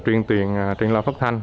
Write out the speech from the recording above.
truyền tuyền truyền lo phát thanh